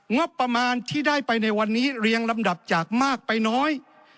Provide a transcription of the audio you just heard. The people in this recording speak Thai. งบประมาณที่ได้ไปในวันนี้เรียงลำดับจากมากไปน้อย